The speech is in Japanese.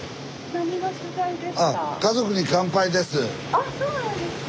あっそうなんですか。